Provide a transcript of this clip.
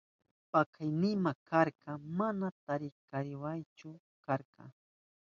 Pakaynima karka, mana tariwankimachu karka.